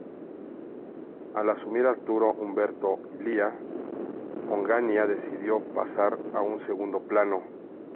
Al asumir Arturo Umberto Illia, Onganía decidió pasar a un segundo plano.